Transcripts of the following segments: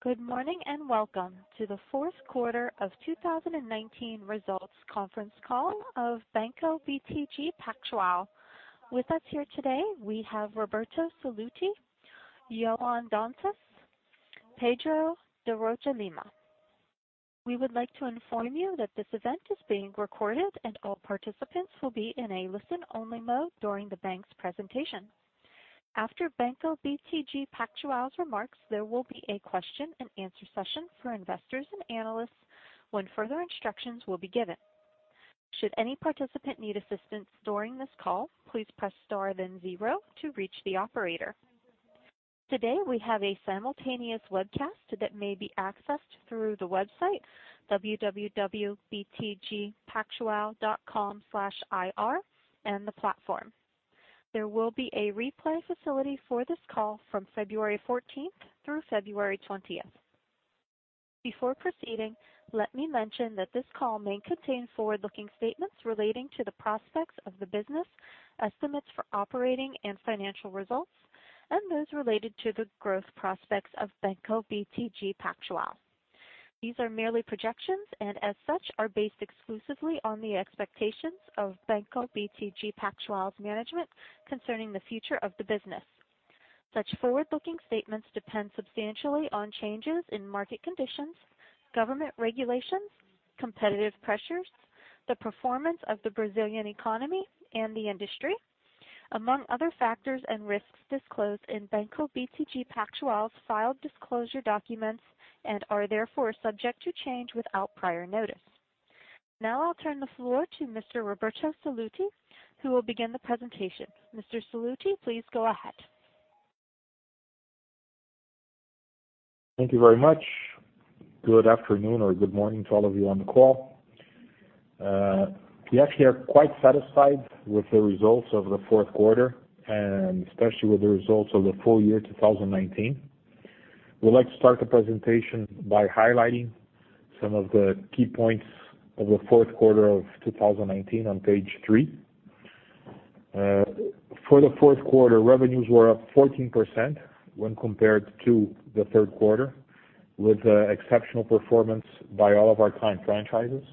Good morning, and welcome to the Fourth Quarter of 2019 Results Conference Call of Banco BTG Pactual. With us here today, we have Roberto Sallouti, João Dantas, Pedro de Rocha Lima. We would like to inform you that this event is being recorded, and all participants will be in a listen-only mode during the bank's presentation. After Banco BTG Pactual's remarks, there will be a question and answer session for investors and analysts when further instructions will be given. Should any participant need assistance during this call, please press star then zero to reach the operator. Today, we have a simultaneous webcast that may be accessed through the website www.btgpactual.com/ir and the platform. There will be a replay facility for this call from February 14th through February 20th. Before proceeding, let me mention that this call may contain forward-looking statements relating to the prospects of the business, estimates for operating and financial results, and those related to the growth prospects of Banco BTG Pactual. These are merely projections, and as such, are based exclusively on the expectations of Banco BTG Pactual's management concerning the future of the business. Such forward-looking statements depend substantially on changes in market conditions, government regulations, competitive pressures, the performance of the Brazilian economy and the industry, among other factors and risks disclosed in Banco BTG Pactual's filed disclosure documents, and are therefore subject to change without prior notice. Now I'll turn the floor to Mr. Roberto Sallouti, who will begin the presentation. Mr. Sallouti, please go ahead. Thank you very much. Good afternoon or good morning to all of you on the call. We actually are quite satisfied with the results of the fourth quarter, and especially with the results of the full year 2019. We'd like to start the presentation by highlighting some of the key points of the fourth quarter of 2019 on page three. For the fourth quarter, revenues were up 14% when compared to the third quarter, with exceptional performance by all of our client franchises.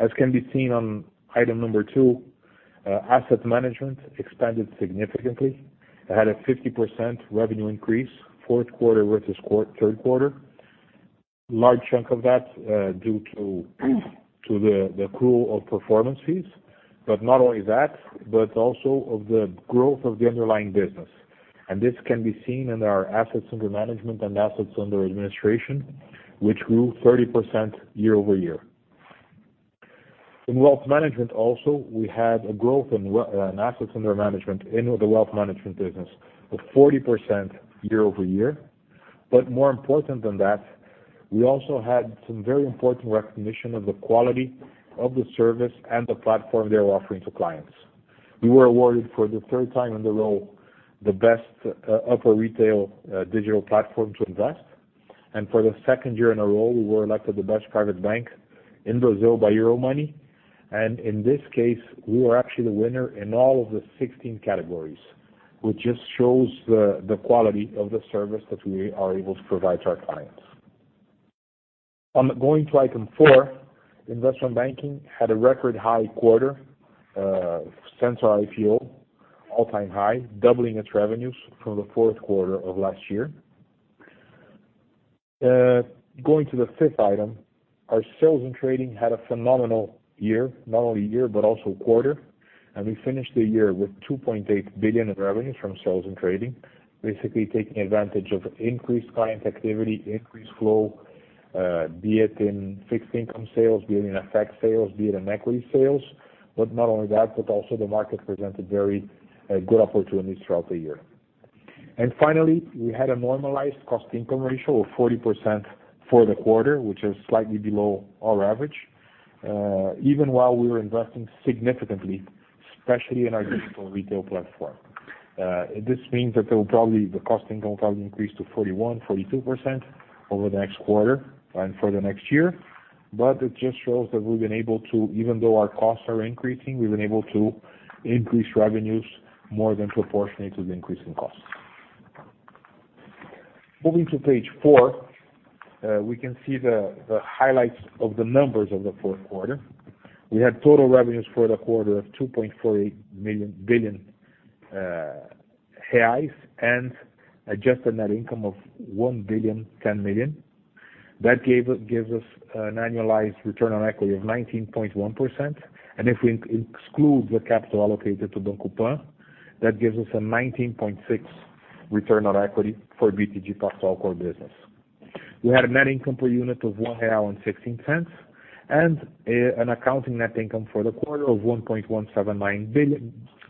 As can be seen on item number two, asset management expanded significantly. It had a 50% revenue increase, fourth quarter versus third quarter. Large chunk of that due to the accrual of performance fees, but not only that, but also of the growth of the underlying business. This can be seen in our assets under management and assets under administration, which grew 30% year-over-year. In wealth management also, we had a growth in assets under management in the wealth management business of 40% year-over-year. More important than that, we also had some very important recognition of the quality of the service and the platform they were offering to clients. We were awarded for the third time in a row, the best upper retail digital platform to invest. For the second year in a row, we were elected the Best Private Bank in Brazil by Euromoney. In this case, we were actually the winner in all of the 16 categories, which just shows the quality of the service that we are able to provide to our clients. Going to item four, investment banking had a record high quarter since our IPO, all-time high, doubling its revenues from the fourth quarter of last year. Going to the fifth item, our sales and trading had a phenomenal year, not only year, but also quarter. We finished the year with 2.8 billion in revenues from sales and trading, basically taking advantage of increased client activity, increased flow, be it in fixed income sales, be it in FX sales, be it in equity sales. Not only that, but also the market presented very good opportunities throughout the year. Finally, we had a normalized cost-income ratio of 40% for the quarter, which is slightly below our average, even while we were investing significantly, especially in our BTG Pactual Digital. This means that the cost income probably increase to 41%, 42% over the next quarter and for the next year. It just shows that we've been able to, even though our costs are increasing, we've been able to increase revenues more than proportionate to the increase in costs. Moving to page four, we can see the highlights of the numbers of the fourth quarter. We had total revenues for the quarter of 2.48 billion reais and adjusted net income of 1 billion, 10 million. That gives us an annualized return on equity of 19.1%. If we exclude the capital allocated to Banco Pan, that gives us a 19.6% return on equity for BTG Pactual core business. We had a net income per unit of 1.16 real, and an accounting net income for the quarter of 1.179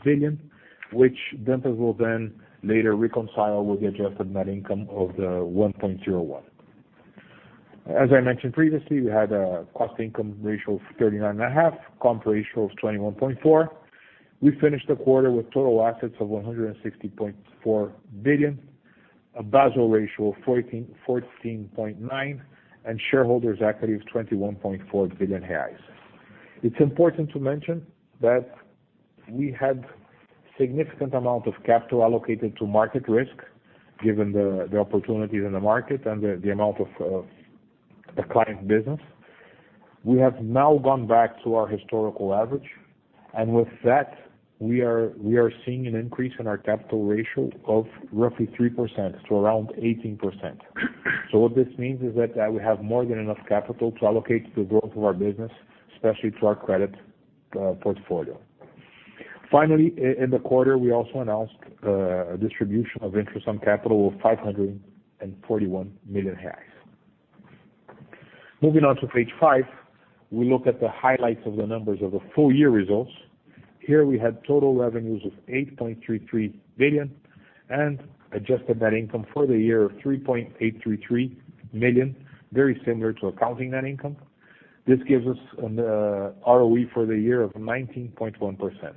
billion, which Dantas will then later reconcile with the adjusted net income of 1.01. As I mentioned previously, we had a cost-income ratio of 39.5%, comp ratio of 21.4%. We finished the quarter with total assets of 160.4 billion, a Basel ratio of 14.9%, and shareholders equity of 21.4 billion reais. It's important to mention that we had significant amount of capital allocated to market risk, given the opportunities in the market and the amount of the client business. We have now gone back to our historical average. With that, we are seeing an increase in our capital ratio of roughly 3% to around 18%. What this means is that we have more than enough capital to allocate the growth of our business, especially to our credit portfolio. In the quarter, we also announced a distribution of interest on capital of 541 million reais. Moving on to page five, we look at the highlights of the numbers of the full-year results. Here we had total revenues of 8.33 billion and adjusted net income for the year of 3.833 billion, very similar to accounting net income. This gives us an ROE for the year of 19.1%.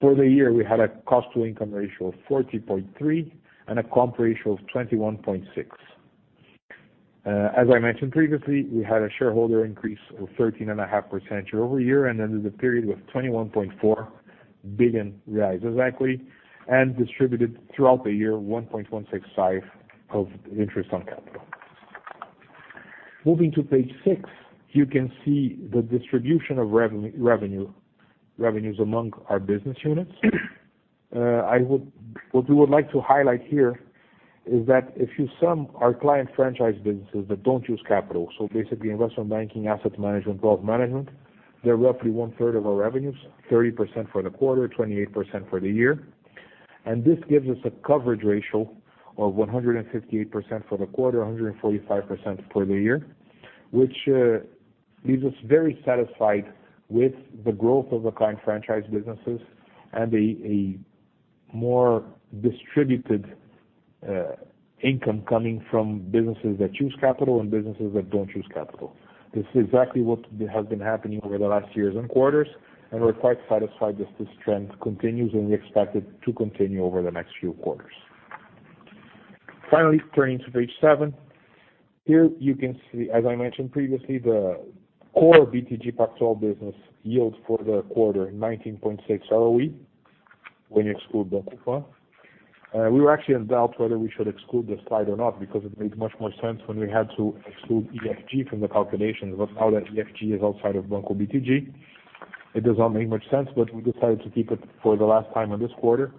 For the year, we had a cost-income ratio of 40.3% and a comp ratio of 21.6%. As I mentioned previously, we had a shareholder increase of 13.5% year-over-year, and ended the period with 21.4 billion reais as equity and distributed throughout the year, 1.165 of interest on capital. Moving to page six, you can see the distribution of revenues among our business units. What we would like to highlight here is that if you sum our client franchise businesses that don't use capital, so basically investment banking, asset management, wealth management, they're roughly 1/3 of our revenues, 30% for the quarter, 28% for the year. This gives us a coverage ratio of 158% for the quarter, 145% for the year, which leaves us very satisfied with the growth of the client franchise businesses and a more distributed income coming from businesses that use capital and businesses that don't use capital. This is exactly what has been happening over the last years and quarters, and we're quite satisfied that this trend continues, and we expect it to continue over the next few quarters. Finally, turning to page seven. Here you can see, as I mentioned previously, the core BTG Pactual business yield for the quarter, 19.6 ROE when you exclude Banco Pan. We were actually in doubt whether we should exclude the slide or not because it made much more sense when we had to exclude EFG from the calculations. Now that EFG is outside of Banco BTG, it does not make much sense, but we decided to keep it for the last time in this quarter.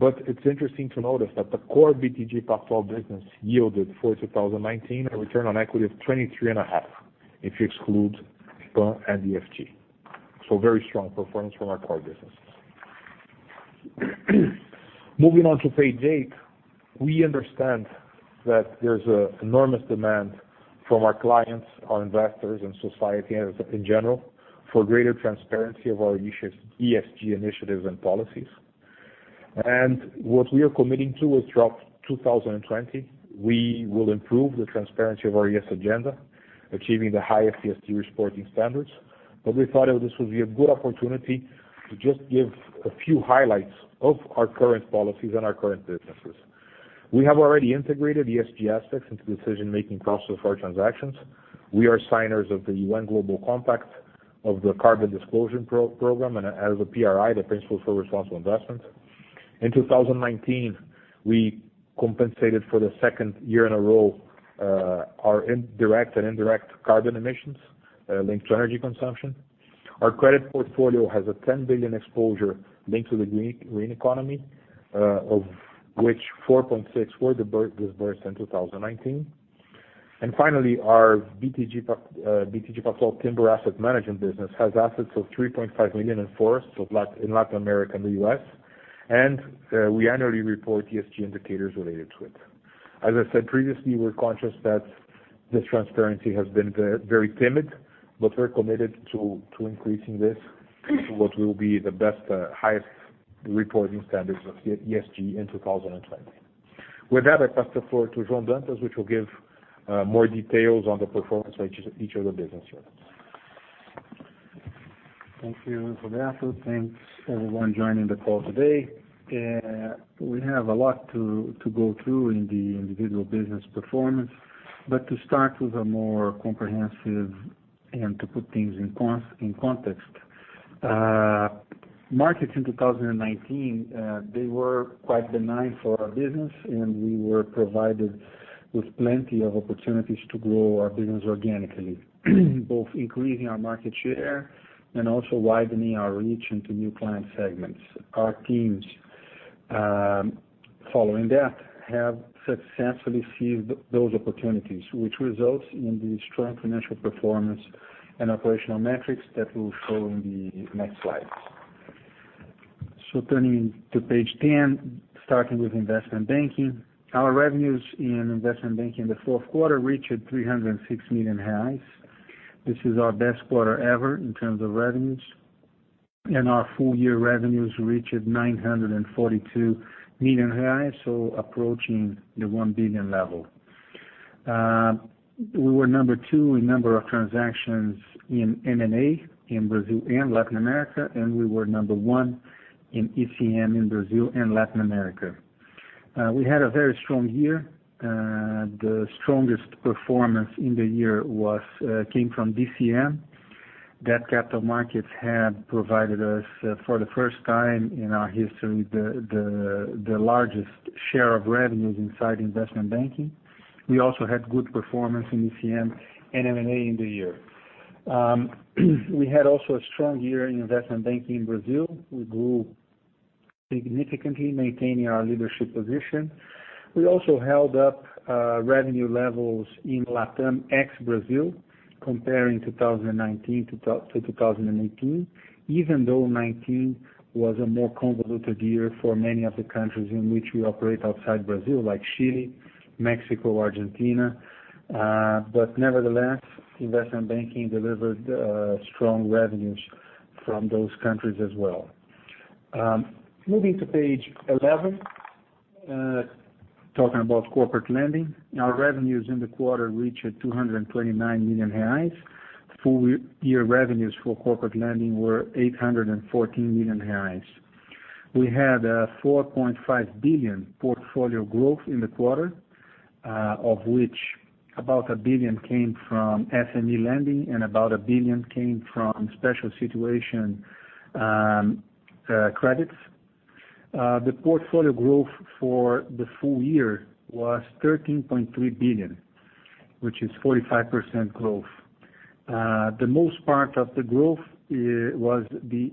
It's interesting to notice that the core BTG Pactual business yielded for 2019 a return on equity of 23.5% if you exclude Pan and EFG. Very strong performance from our core businesses. Moving on to page eight. We understand that there's enormous demand from our clients, our investors, and society in general for greater transparency of our ESG initiatives and policies. What we are committing to is throughout 2020, we will improve the transparency of our ESG agenda, achieving the highest ESG reporting standards. We thought this would be a good opportunity to just give a few highlights of our current policies and our current businesses. We have already integrated ESG aspects into decision-making process for our transactions. We are signers of the United Nations Global Compact of the Carbon Disclosure Project and as a PRI, the Principles for Responsible Investment. In 2019, we compensated for the second year in a row our direct and indirect carbon emissions linked to energy consumption. Our credit portfolio has a 10 billion exposure linked to the green economy, of which 4.6 were disbursed in 2019. Finally, our BTG Pactual timber asset management business has assets of 3.5 million in forests in Latin America and the U.S., and we annually report ESG indicators related to it. As I said previously, we're conscious that this transparency has been very timid, but we're committed to increasing this to what will be the best, highest reporting standards of ESG in 2020. With that, I pass the floor to João Dantas, which will give more details on the performance of each of the business units. Thank you, Roberto. Thanks everyone joining the call today. We have a lot to go through in the individual business performance. To start with a more comprehensive and to put things in context. Markets in 2019, they were quite benign for our business, and we were provided with plenty of opportunities to grow our business organically, both increasing our market share and also widening our reach into new client segments. Our teams, following that, have successfully seized those opportunities, which results in the strong financial performance and operational metrics that we'll show in the next slides. Turning to page 10, starting with investment banking. Our revenues in investment banking in the fourth quarter reached 306 million. This is our best quarter ever in terms of revenues. Our full-year revenues reached 942 million reais, approaching the 1 billion level. We were number two in number of transactions in M&A in Latin America, and we were number one in ECM in Brazil and Latin America. We had a very strong year. The strongest performance in the year came from DCM. Debt Capital Markets had provided us, for the first time in our history, the largest share of revenues inside investment banking. We also had good performance in ECM and M&A in the year. We had also a strong year in investment banking in Brazil. We grew significantly, maintaining our leadership position. We also held up revenue levels in LATAM ex-Brazil comparing 2019-2018, even though 2019 was a more convoluted year for many of the countries in which we operate outside Brazil, like Chile, Mexico, Argentina. Nevertheless, investment banking delivered strong revenues from those countries as well. Moving to page 11, talking about corporate lending. Our revenues in the quarter reached 229 million. Full year revenues for corporate lending were 814 million. We had a 4.5 billion portfolio growth in the quarter, of which about 1 billion came from SME lending and about 1 billion came from special situation credits. The portfolio growth for the full year was 13.3 billion, which is 45% growth. The most part of the growth was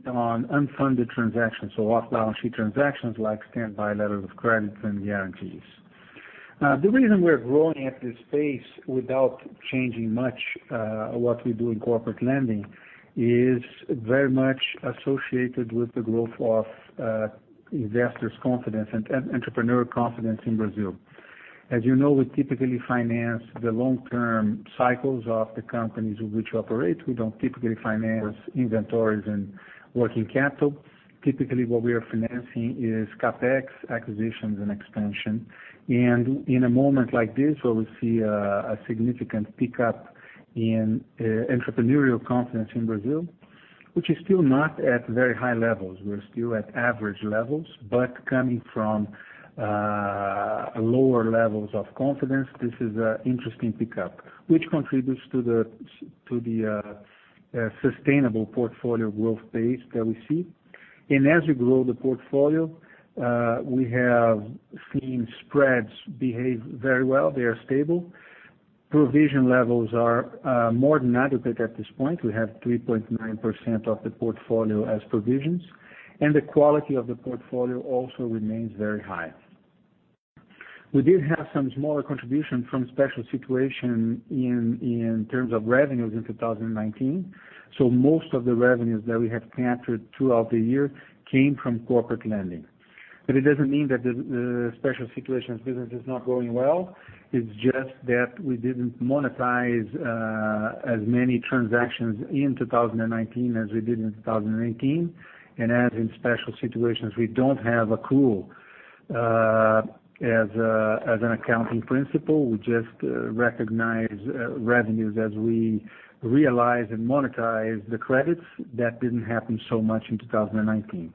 on unfunded transactions, off-balance-sheet transactions, like standby letters of credit and guarantees. The reason we are growing at this pace without changing much what we do in corporate lending is very much associated with the growth of investors' confidence and entrepreneurial confidence in Brazil. As you know, we typically finance the long-term cycles of the companies with which we operate. We don't typically finance inventories and working capital. Typically, what we are financing is CapEx, acquisitions, and expansion. In a moment like this, where we see a significant pickup in entrepreneurial confidence in Brazil, which is still not at very high levels, we are still at average levels. Coming from lower levels of confidence, this is an interesting pickup, which contributes to the sustainable portfolio growth pace that we see. As we grow the portfolio, we have seen spreads behave very well. They are stable. Provision levels are more than adequate at this point. We have 3.9% of the portfolio as provisions, and the quality of the portfolio also remains very high. We did have some smaller contribution from special situation in terms of revenues in 2019. Most of the revenues that we have captured throughout the year came from corporate lending. It doesn't mean that the special situations business is not going well. It's just that we didn't monetize as many transactions in 2019 as we did in 2018. As in special situations, we don't have accrual as an accounting principle. We just recognize revenues as we realize and monetize the credits. That didn't happen so much in 2019.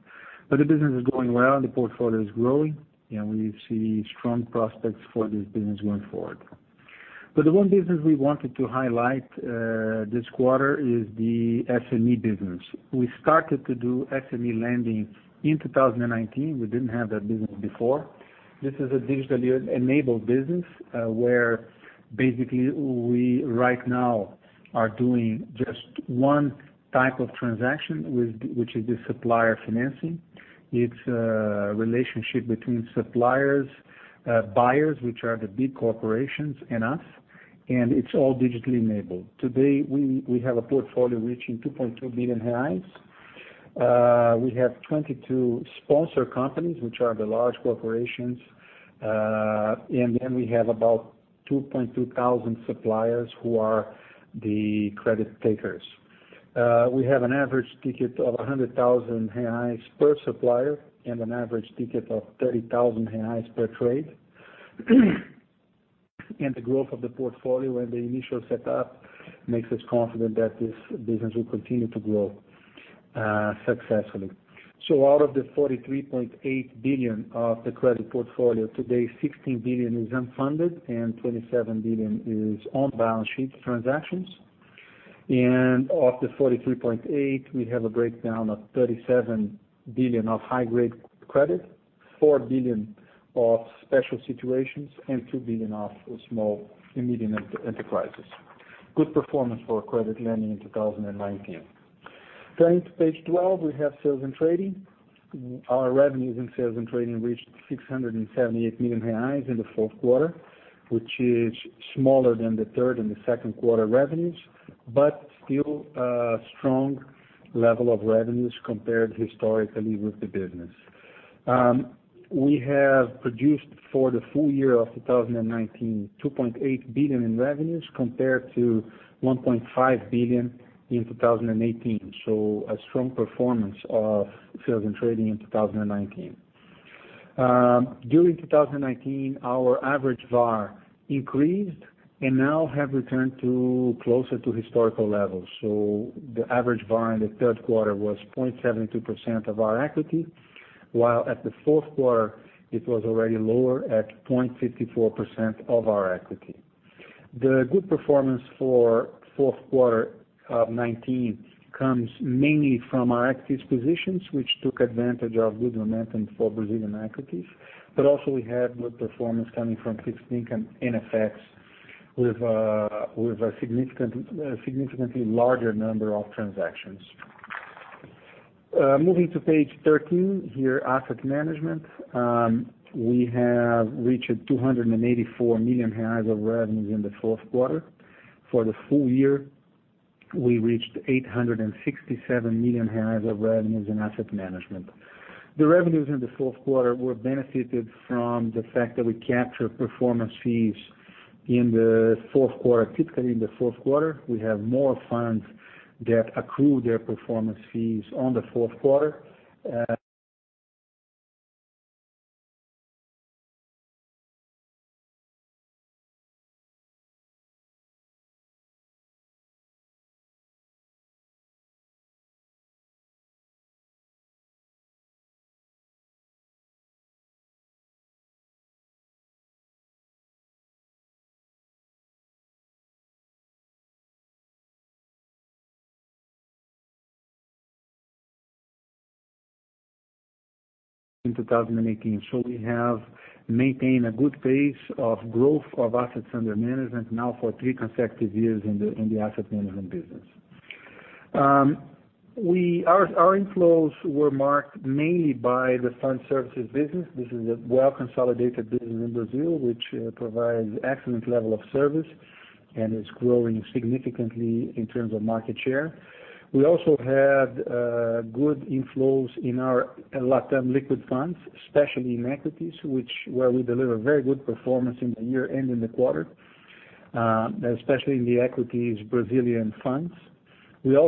The business is going well. The portfolio is growing, and we see strong prospects for this business going forward. The one business we wanted to highlight this quarter is the SME business. We started to do SME lending in 2019. We didn't have that business before. This is a digitally-enabled business, where basically we right now are doing just one type of transaction, which is the supplier financing. It's a relationship between suppliers, buyers, which are the big corporations, and us, and it's all digitally enabled. Today, we have a portfolio reaching 2.2 billion reais. We have 22 sponsor companies, which are the large corporations, and then we have about 2,200 suppliers who are the credit takers. We have an average ticket of 100,000 reais per supplier and an average ticket of 30,000 reais per trade. The growth of the portfolio and the initial set up makes us confident that this business will continue to grow successfully. Out of the 43.8 billion of the credit portfolio today, 16 billion is unfunded and 27 billion is on-balance-sheet transactions. Of the 43.8 billion, we have a breakdown of 37 billion of high-grade credit, 4 billion of special situations, and 2 billion of small and medium enterprises. Good performance for our credit lending in 2019. Turning to page 12, we have sales and trading. Our revenues in sales and trading reached 678 million reais in the fourth quarter, which is smaller than the third and the second quarter revenues, but still a strong level of revenues compared historically with the business. We have produced for the full year of 2019, 2.8 billion in revenues compared to 1.5 billion in 2018. A strong performance of sales and trading in 2019. During 2019, our average VaR increased and now have returned to closer to historical levels. The average VaR in the third quarter was 0.72% of our equity, while at the fourth quarter it was already lower at 0.54% of our equity. The good performance for fourth quarter of 2019 comes mainly from our equities positions, which took advantage of good momentum for Brazilian equities. Also we had good performance coming from fixed income and FX, with a significantly larger number of transactions. Moving to page 13, here, asset management. We have reached 284 million of revenues in the fourth quarter. For the full year, we reached 867 million of revenues in asset management. The revenues in the fourth quarter were benefited from the fact that we capture performance fees in the fourth quarter. Typically, in the fourth quarter, we have more funds that accrue their performance fees on the fourth quarter. In 2018. We have maintained a good pace of growth of assets under management now for three consecutive years in the asset management business. Our inflows were marked mainly by the fund services business. This is a well-consolidated business in Brazil, which provides excellent level of service and is growing significantly in terms of market share. We also had good inflows in our LATAM liquid funds, especially in equities, where we deliver very good performance in the year and in the quarter, especially in the equities Brazilian funds. This is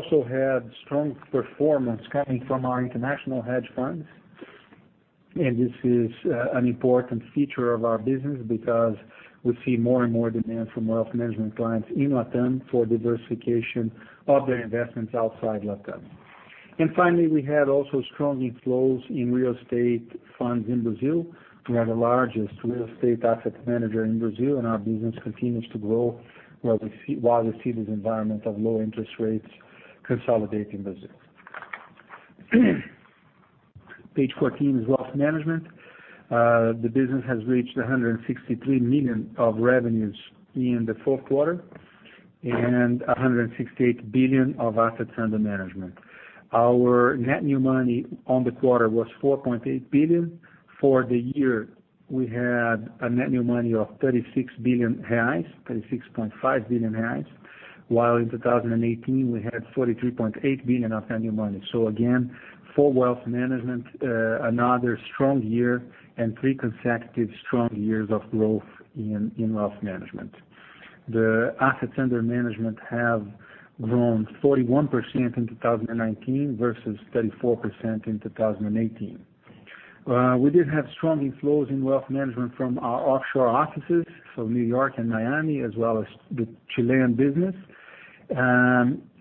an important feature of our business because we see more and more demand from wealth management clients in LATAM for diversification of their investments outside LATAM. Finally, we had also strong inflows in real estate funds in Brazil. We are the largest real estate asset manager in Brazil, and our business continues to grow while we see this environment of low interest rates consolidate in Brazil. Page 14 is wealth management. The business has reached 163 million of revenues in the fourth quarter and 168 billion of assets under management. Our net new money on the quarter was 4.8 billion. For the year, we had a net new money of 36.5 billion reais, while in 2018, we had 43.8 billion of net new money. Again, for wealth management, another strong year and three consecutive strong years of growth in wealth management. The assets under management have grown 41% in 2019 versus 34% in 2018. We did have strong inflows in wealth management from our offshore offices, so New York and Miami, as well as the Chilean business.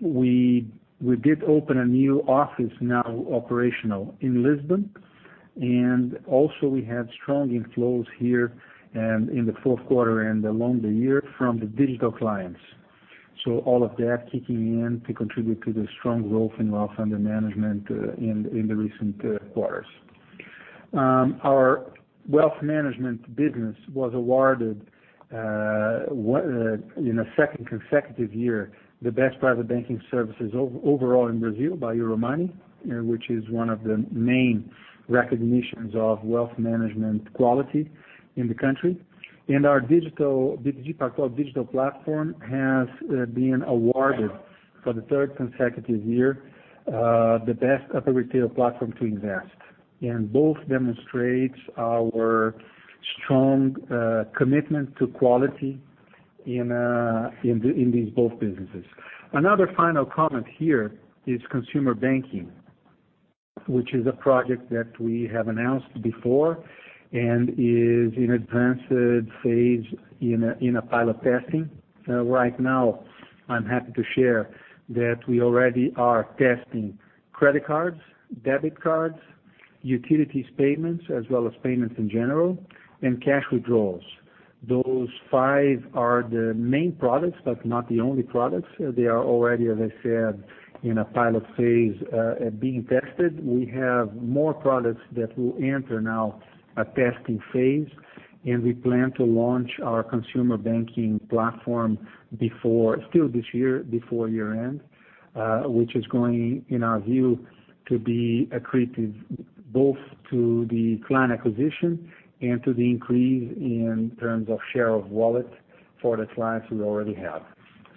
We did open a new office now operational in Lisbon, and also we had strong inflows here in the fourth quarter and along the year from the digital clients. All of that kicking in to contribute to the strong growth in wealth under management in the recent quarters. Our wealth management business was awarded, in a second consecutive year, the Best Private Banking Services Overall in Brazil by Euromoney, which is one of the main recognitions of wealth management quality in the country. Our BTG Pactual Digital platform has been awarded for the third consecutive year, the best of the retail platform to invest. Both demonstrates our strong commitment to quality in these both businesses. Another final comment here is consumer banking, which is a project that we have announced before and is in advanced phase in a pilot testing. Right now, I'm happy to share that we already are testing credit cards, debit cards, utilities payments, as well as payments in general, and cash withdrawals. Those five are the main products, but not the only products. They are already, as I said, in a pilot phase, being tested. We have more products that will enter now a testing phase, and we plan to launch our consumer banking platform still this year, before year-end, which is going, in our view, to be accretive both to the client acquisition and to the increase in terms of share of wallet for the clients we already have.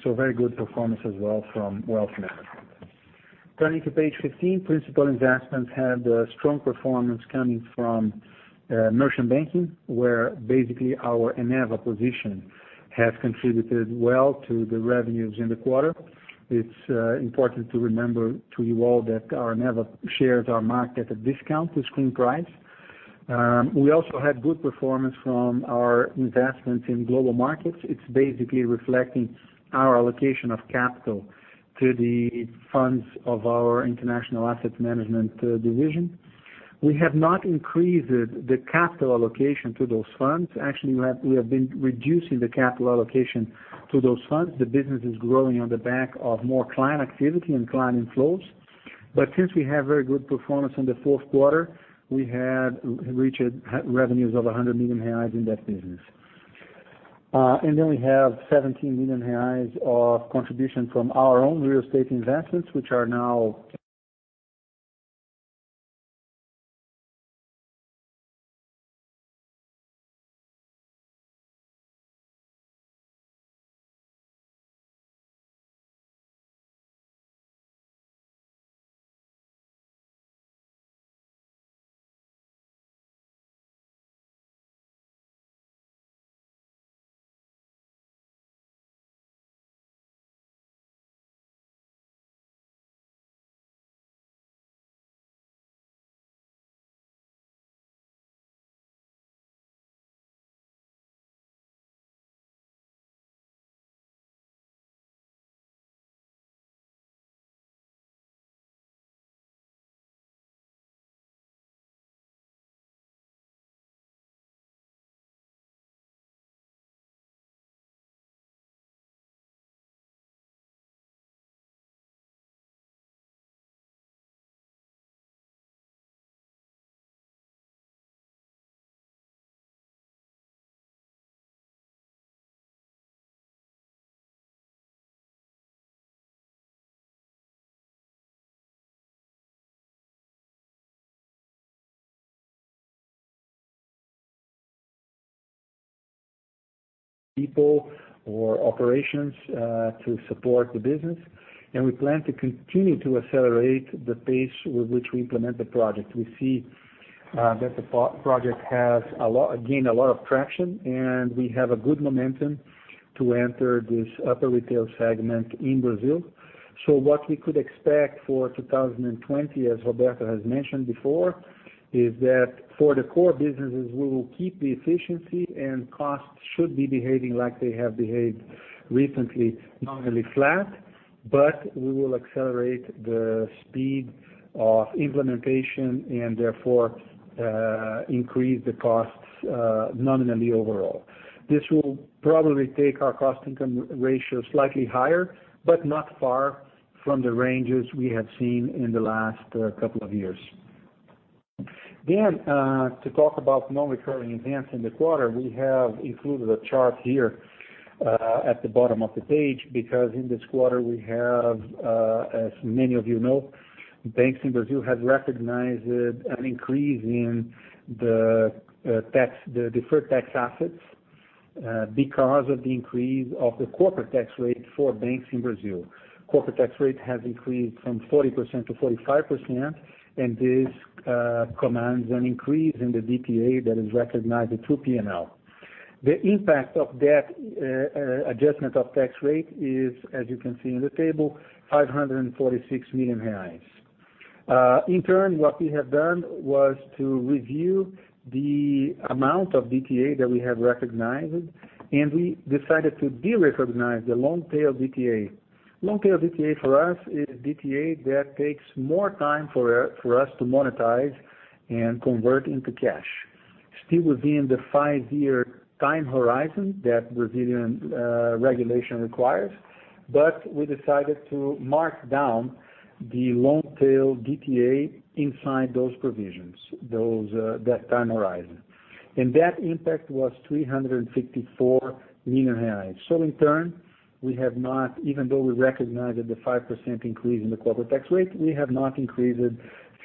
Very good performance as well from wealth management. Turning to page 15, principal investments had a strong performance coming from merchant banking, where basically our Eneva position has contributed well to the revenues in the quarter. It's important to remember to you all that our Eneva shares are marked at a discount to screen price. We also had good performance from our investments in global markets. It's basically reflecting our allocation of capital to the funds of our international asset management division. We have not increased the capital allocation to those funds. Actually, we have been reducing the capital allocation to those funds. The business is growing on the back of more client activity and client inflows. Since we have very good performance in the fourth quarter, we had reached revenues of 100 million reais in that business. Then we have 17 million reais of contribution from our own real estate investments, which are now people or operations to support the business. We plan to continue to accelerate the pace with which we implement the project. We see that the project has gained a lot of traction, and we have a good momentum to enter this upper retail segment in Brazil. What we could expect for 2020, as Roberto has mentioned before, is that for the core businesses, we will keep the efficiency and costs should be behaving like they have behaved recently, nominally flat. We will accelerate the speed of implementation and therefore, increase the costs nominally overall. This will probably take our cost-income ratio slightly higher, but not far from the ranges we have seen in the last couple of years. To talk about non-recurring events in the quarter, we have included a chart here at the bottom of the page because in this quarter we have, as many of you know, banks in Brazil have recognized an increase in the deferred tax assets because of the increase of the corporate tax rate for banks in Brazil. Corporate tax rate has increased from 40%-45%, and this commands an increase in the DTA that is recognized through P&L. The impact of that adjustment of tax rate is, as you can see in the table, 546 million reais. In turn, what we have done was to review the amount of DTA that we have recognized, and we decided to de-recognize the long-tail DTA. Long-tail DTA for us is DTA that takes more time for us to monetize and convert into cash. Still within the five-year time horizon that Brazilian regulation requires, but we decided to mark down the long-tail DTA inside those provisions, that time horizon. That impact was 354 million. In turn, even though we recognized the 5% increase in the corporate tax rate, we have not increased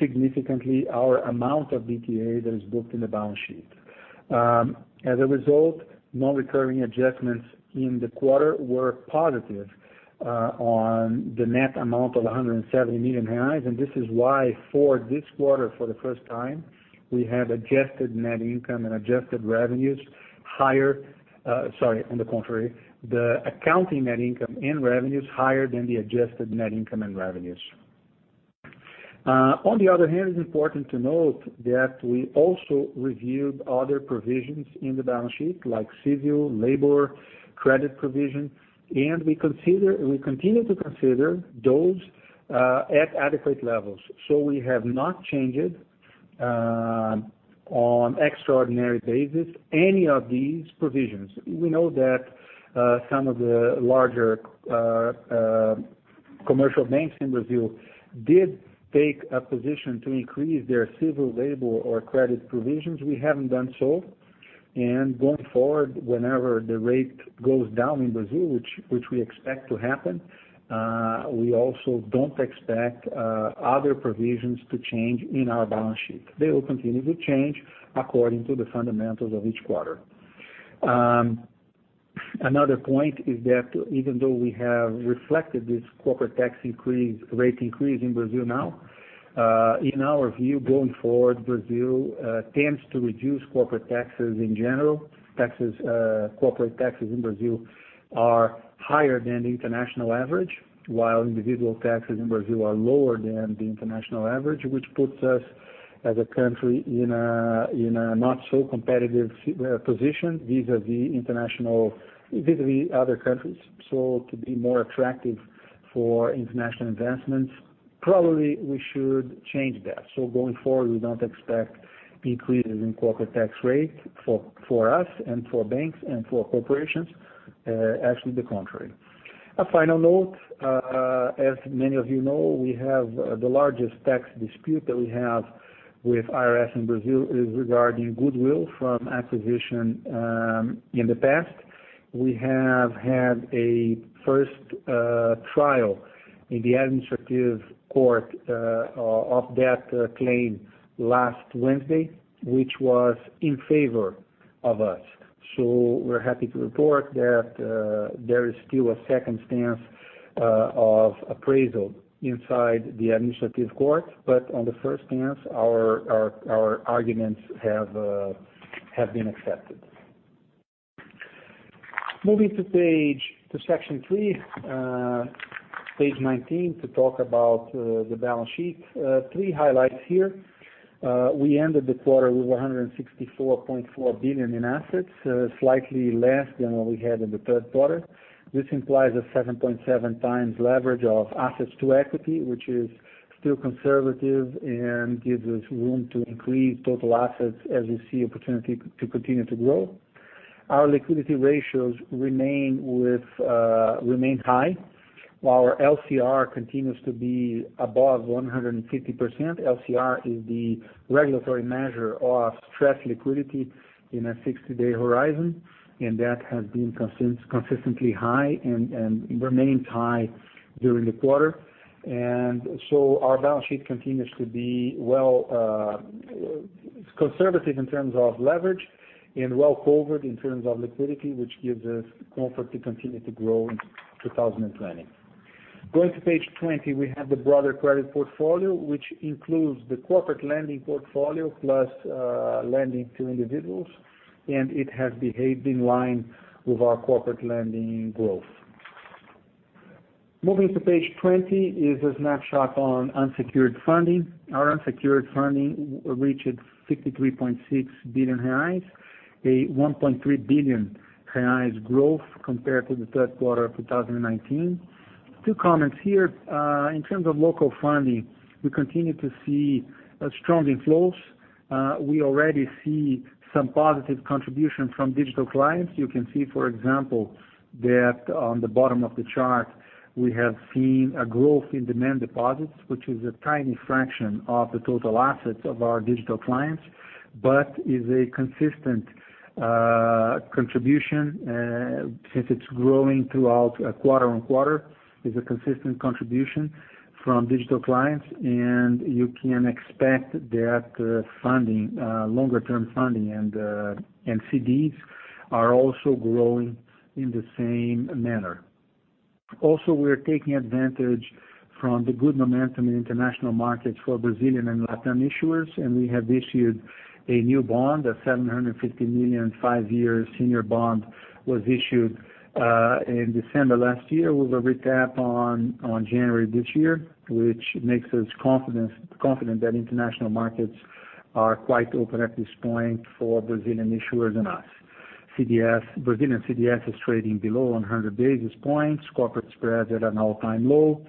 significantly our amount of DTA that is booked in the balance sheet. As a result, non-recurring adjustments in the quarter were positive on the net amount of 170 million reais. This is why for this quarter, for the first time, we have adjusted net income and adjusted revenues higher, on the contrary, the accounting net income and revenues higher than the adjusted net income and revenues. On the other hand, it's important to note that we also reviewed other provisions in the balance sheet like civil, labor, credit provision. We continue to consider those at adequate levels. We have not changed, on extraordinary basis, any of these provisions. We know that some of the larger commercial banks in Brazil did take a position to increase their civil, labor, or credit provisions. We haven't done so. Going forward, whenever the rate goes down in Brazil, which we expect to happen, we also don't expect other provisions to change in our balance sheet. They will continue to change according to the fundamentals of each quarter. Another point is that even though we have reflected this corporate tax rate increase in Brazil now, in our view, going forward, Brazil tends to reduce corporate taxes in general. Corporate taxes in Brazil are higher than the international average, while individual taxes in Brazil are lower than the international average, which puts us as a country in a not so competitive position vis-à-vis other countries. To be more attractive for international investments, probably we should change that. Going forward, we don't expect increases in corporate tax rate for us and for banks and for corporations, actually the contrary. A final note, as many of you know, we have the largest tax dispute that we have with IRS in Brazil is regarding goodwill from acquisition in the past. We have had a first trial in the administrative court of that claim last Wednesday, which was in favor of us. We're happy to report that there is still a second stance of appraisal inside the administrative court, but on the first stance, our arguments have been accepted. Moving to section three, page 19, to talk about the balance sheet. Three highlights here. We ended the quarter with 164.4 billion in assets, slightly less than what we had in the third quarter. This implies a 7.7x leverage of assets to equity, which is still conservative and gives us room to increase total assets as we see opportunity to continue to grow. Our liquidity ratios remain high. While our LCR continues to be above 150%, LCR is the regulatory measure of stress liquidity in a 60-day horizon, and that has been consistently high and remains high during the quarter. Our balance sheet continues to be conservative in terms of leverage and well-covered in terms of liquidity, which gives us comfort to continue to grow in 2020. Going to page 20, we have the broader credit portfolio, which includes the corporate lending portfolio plus lending to individuals, and it has behaved in line with our corporate lending growth. Moving to page 20 is a snapshot on unsecured funding. Our unsecured funding reached 63.6 billion reais, a 1.3 billion reais growth compared to the third quarter of 2019. Two comments here. In terms of local funding, we continue to see strong inflows. We already see some positive contribution from digital clients. You can see, for example, that on the bottom of the chart, we have seen a growth in demand deposits, which is a tiny fraction of the total assets of our digital clients, but is a consistent contribution, since it's growing throughout quarter-on-quarter, is a consistent contribution from digital clients, and you can expect that funding, longer term funding and CDs are also growing in the same manner. We're taking advantage from the good momentum in international markets for Brazilian and Latin issuers, and we have issued a new bond, a $750 million, five-year senior bond was issued in December last year with a recap on January this year, which makes us confident that international markets are quite open at this point for Brazilian issuers and us. Brazilian CDS is trading below 100 basis points. Corporate spreads are at an all-time low.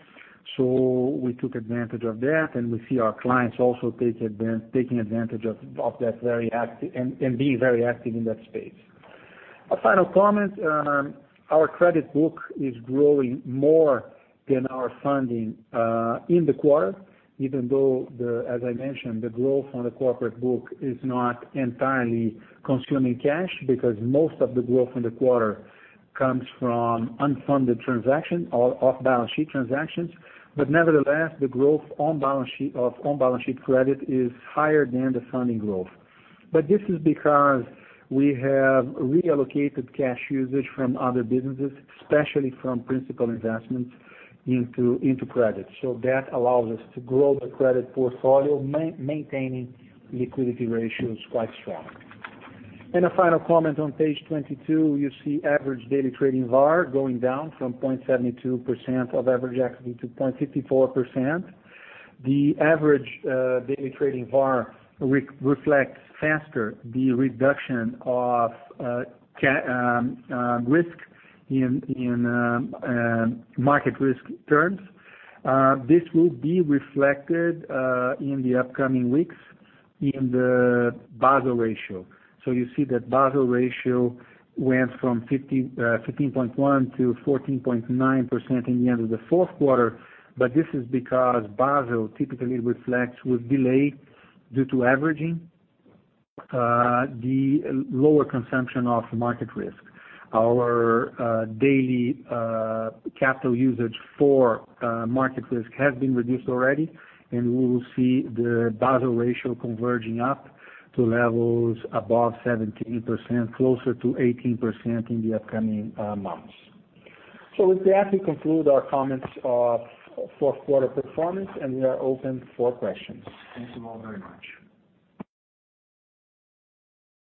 We took advantage of that, and we see our clients also taking advantage of that, and being very active in that space. A final comment, our credit book is growing more than our funding in the quarter, even though, as I mentioned, the growth on the corporate book is not entirely consuming cash because most of the growth in the quarter comes from unfunded transaction or off-balance sheet transactions. Nevertheless, the growth of on-balance sheet credit is higher than the funding growth. This is because we have reallocated cash usage from other businesses, especially from principal investments into credit. That allows us to grow the credit portfolio, maintaining liquidity ratios quite strong. A final comment on page 22, you see average daily trading VaR going down from 0.72% of average equity to 0.54%. The average daily trading VaR reflects faster the reduction of risk in market risk terms. This will be reflected in the upcoming weeks in the Basel ratio. You see that Basel ratio went from 15.1%-14.9% in the end of the fourth quarter, but this is because Basel typically reflects with delay due to averaging the lower consumption of market risk. Our daily capital usage for market risk has been reduced already, and we will see the Basel ratio converging up to levels above 17%, closer to 18% in the upcoming months. With that, we conclude our comments of fourth quarter performance, and we are open for questions. Thank you all very much.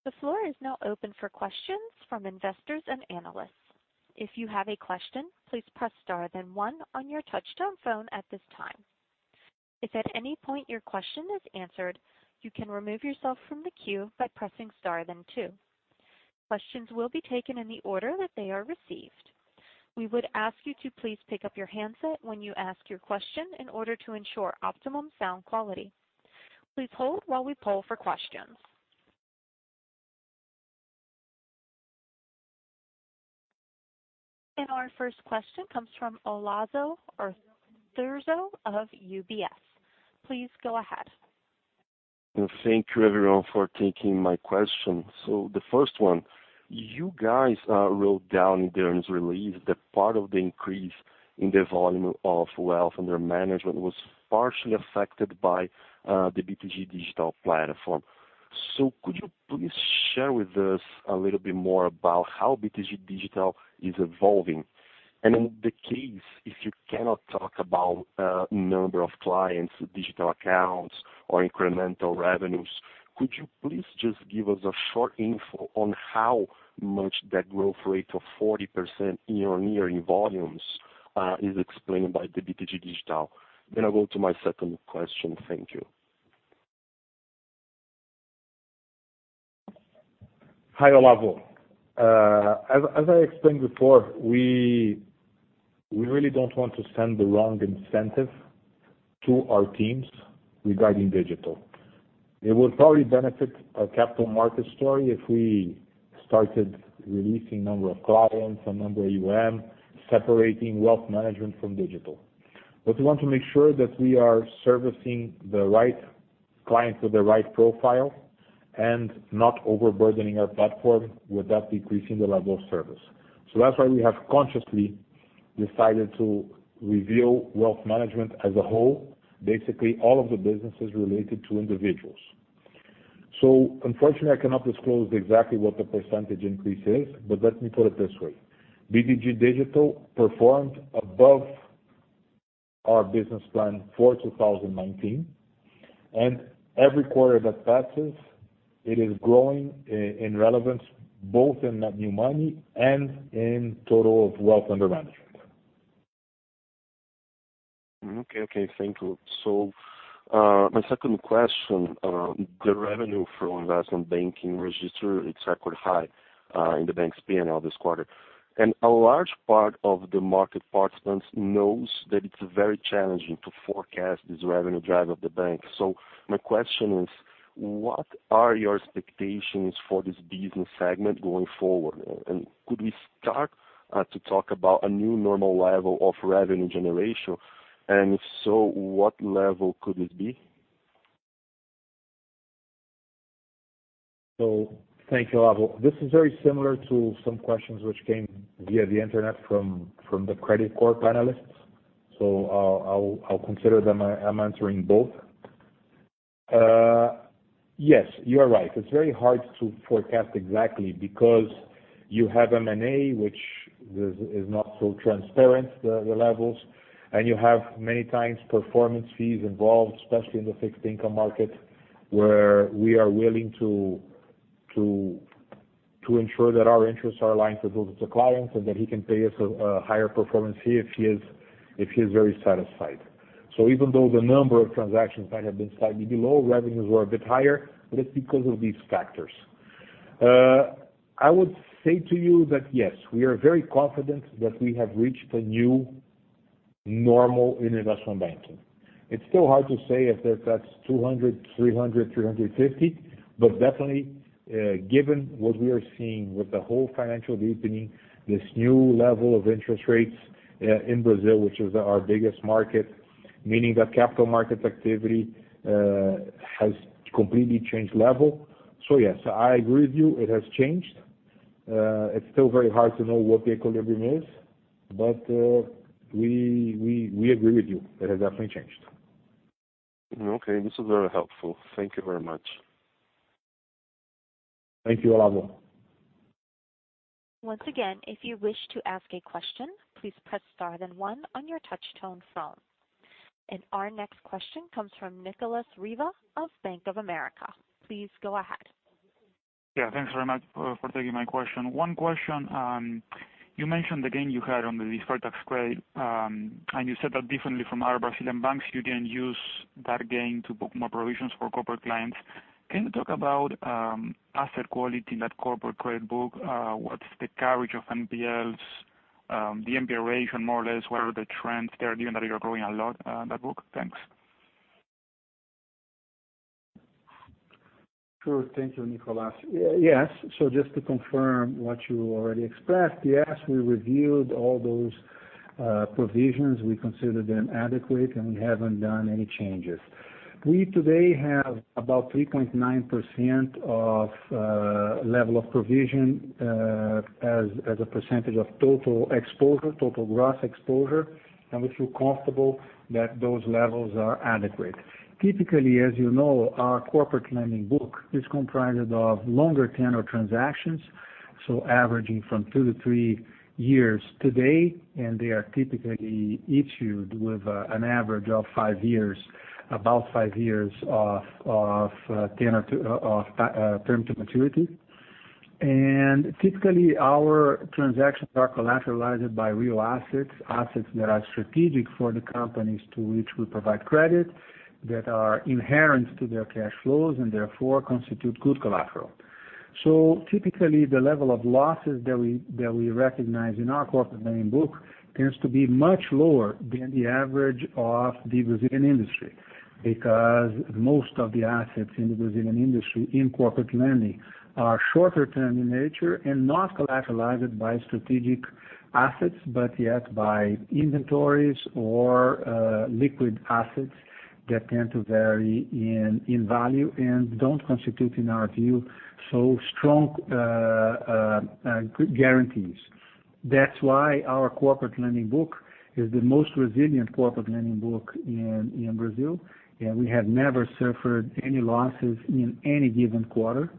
The floor is now open for questions from investors and analysts. If you have a question, please press star then one on your touchtone phone at this time. If at any point your question is answered, you can remove yourself from the queue by pressing star then two. Questions will be taken in the order that they are received. We would ask you to please pick up your handset when you ask your question in order to ensure optimum sound quality. Please hold while we poll for questions. Our first question comes from Olavo Arthuzo of UBS. Please go ahead. Thank you everyone for taking my question. The first one, you guys wrote down in the earnings release that part of the increase in the volume of wealth under management was partially affected by the BTG Pactual Digital platform. Could you please share with us a little bit more about how BTG Pactual Digital is evolving? In the case, if you cannot talk about number of clients, digital accounts, or incremental revenues, could you please just give us a short info on how much that growth rate of 40% year-on-year in volumes is explained by the BTG Pactual Digital? I go to my second question. Thank you. Hi, Olavo. As I explained before, we really don't want to send the wrong incentive to our teams regarding digital. It would probably benefit our capital market story if we started releasing number of clients and number AUM, separating wealth management from digital. We want to make sure that we are servicing the right clients with the right profile and not overburdening our platform without decreasing the level of service. That's why we have consciously decided to reveal wealth management as a whole, basically all of the businesses related to individuals. Unfortunately, I cannot disclose exactly what the percentage increase is, but let me put it this way. BTG Digital performed above our business plan for 2019, and every quarter that passes, it is growing in relevance both in net new money and in total of wealth under management. Okay. Thank you. My second question, the revenue from investment banking registered its record high in the bank's P&L this quarter. A large part of the market participants know that it's very challenging to forecast this revenue drive of the bank. My question is, what are your expectations for this business segment going forward? Could we start to talk about a new normal level of revenue generation? If so, what level could it be? Thank you, Olavo. This is very similar to some questions which came via the internet from the Credicorp Capital panelists. I'll consider them, I'm answering both. Yes, you are right. It's very hard to forecast exactly because you have M&A, which is not so transparent, the levels, and you have many times performance fees involved, especially in the fixed income market, where we are willing to ensure that our interests are aligned with those of the client and that he can pay us a higher performance fee if he is very satisfied. Even though the number of transactions might have been slightly below, revenues were a bit higher, but it's because of these factors. I would say to you that, yes, we are very confident that we have reached a new normal in investment banking. It is still hard to say if that is 200,000, 300,000, 350,000, but definitely, given what we are seeing with the whole financial deepening, this new level of interest rates in Brazil, which is our biggest market, meaning that capital market activity has completely changed level. Yes, I agree with you. It has changed. It is still very hard to know what the equilibrium is, but we agree with you. It has definitely changed. Okay. This is very helpful. Thank you very much. Thank you, Olavo. Once again, if you wish to ask a question, please press star then one on your touch tone phone. Our next question comes from Nicolas Riva of Bank of America. Please go ahead. Yeah. Thanks very much for taking my question. One question, you mentioned the gain you had on the deferred tax credit, and you said that differently from other Brazilian banks, you didn't use that gain to book more provisions for corporate clients. Can you talk about asset quality in that corporate credit book? What's the coverage of NPLs, the NPL ratio more or less, what are the trends there, given that you're growing a lot, that book? Thanks. Sure. Thank you, Nicolas. Yes. Just to confirm what you already expressed, yes, we reviewed all those provisions. We considered them adequate, and we haven't done any changes. We today have about 3.9% of level of provision as a percentage of total gross exposure, and we feel comfortable that those levels are adequate. Typically, as you know, our corporate lending book is comprised of longer tenure transactions, averaging from two to three years today, and they are typically issued with an average of five years, about five years of term to maturity. Typically, our transactions are collateralized by real assets that are strategic for the companies to which we provide credit, that are inherent to their cash flows and therefore constitute good collateral. Typically, the level of losses that we recognize in our corporate lending book tends to be much lower than the average of the Brazilian industry. Most of the assets in the Brazilian industry in corporate lending are shorter term in nature and not collateralized by strategic assets, but yet by inventories or liquid assets that tend to vary in value and don't constitute, in our view, so strong guarantees. That's why our corporate lending book is the most resilient corporate lending book in Brazil, and we have never suffered any losses in any given quarter.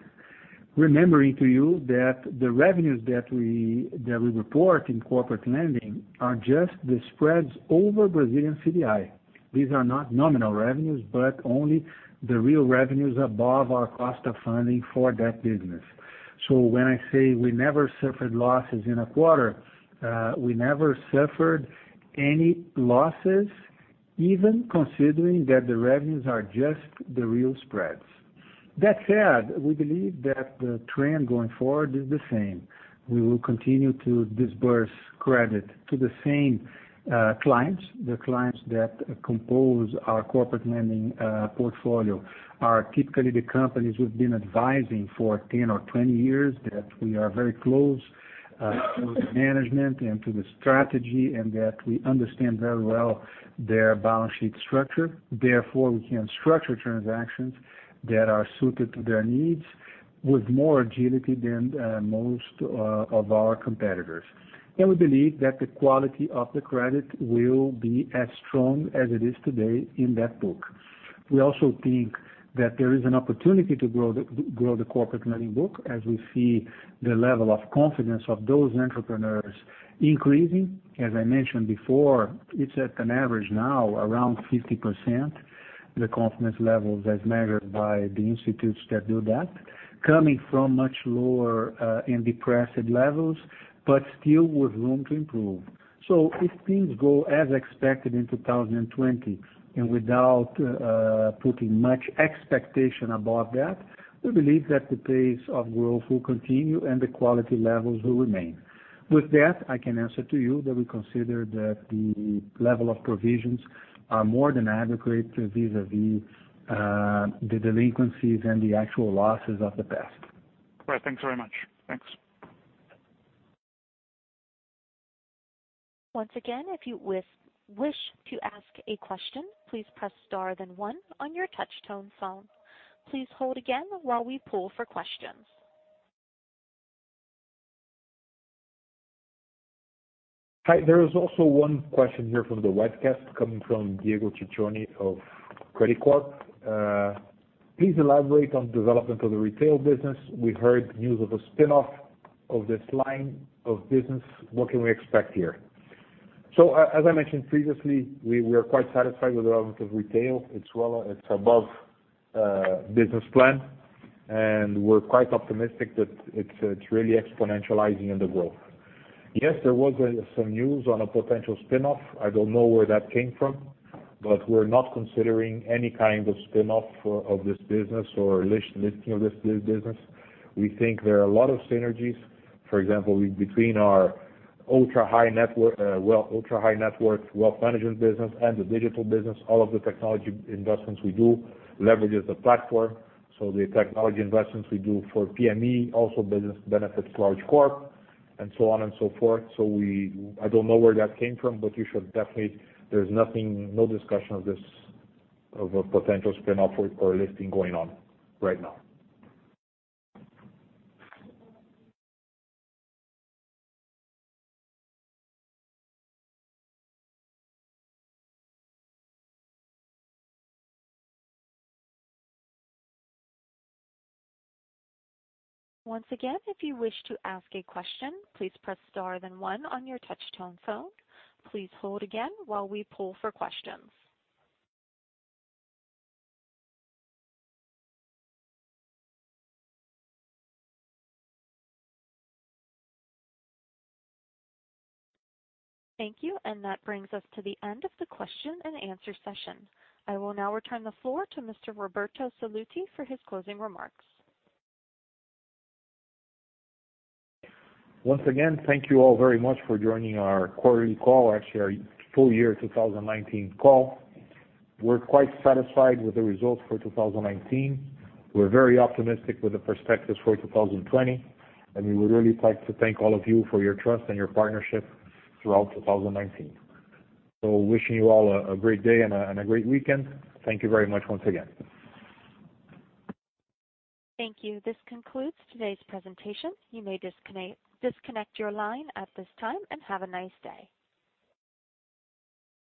Remembering to you that the revenues that we report in corporate lending are just the spreads over Brazilian CDI. These are not nominal revenues, but only the real revenues above our cost of funding for that business. When I say we never suffered losses in a quarter, we never suffered any losses even considering that the revenues are just the real spreads. That said, we believe that the trend going forward is the same. We will continue to disburse credit to the same clients. The clients that compose our corporate lending portfolio are typically the companies we've been advising for 10 or 20 years, that we are very close to the management and to the strategy, and that we understand very well their balance sheet structure. Therefore, we can structure transactions that are suited to their needs with more agility than most of our competitors. We believe that the quality of the credit will be as strong as it is today in that book. We also think that there is an opportunity to grow the corporate lending book as we see the level of confidence of those entrepreneurs increasing. As I mentioned before, it's at an average now around 50%, the confidence levels as measured by the institutes that do that, coming from much lower and depressed levels, but still with room to improve. If things go as expected in 2020 and without putting much expectation above that, we believe that the pace of growth will continue and the quality levels will remain. With that, I can answer to you that we consider that the level of provisions are more than adequate vis-à-vis the delinquencies and the actual losses of the past. Right. Thanks very much. Thanks. Once again, if you wish to ask a question, please press star then one on your touch tone phone. Please hold again while we poll for questions. Hi, there is also one question here from the webcast coming from Diego Ciconi of Credicorp Capital. Please elaborate on development of the retail business. We heard news of a spinoff of this line of business. What can we expect here? As I mentioned previously, we are quite satisfied with the development of retail. It's above business plan, and we're quite optimistic that it's really exponentializing in the growth. Yes, there was some news on a potential spinoff. I don't know where that came from, but we're not considering any kind of spinoff of this business or listing of this business. We think there are a lot of synergies. For example, between our ultra-high net worth wealth management business and the Digital business, all of the technology investments we do leverages the platform. The technology investments we do for SME also benefits large Corp, and so on and so forth. I don't know where that came from, but you should definitely there's nothing, no discussion of a potential spinoff or listing going on right now. Once again, if you wish to ask a question, please press star then one on your touch tone phone. Please hold again while we poll for questions. Thank you. That brings us to the end of the question and answer session. I will now return the floor to Mr. Roberto Sallouti for his closing remarks. Once again, thank you all very much for joining our quarterly call, actually our full year 2019 call. We're quite satisfied with the results for 2019. We're very optimistic with the perspectives for 2020, and we would really like to thank all of you for your trust and your partnership throughout 2019. Wishing you all a great day and a great weekend. Thank you very much once again. Thank you. This concludes today's presentation. You may disconnect your line at this time, and have a nice day.